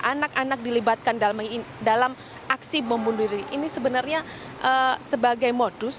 anak anak dilibatkan dalam aksi bom bunuh diri ini sebenarnya sebagai modus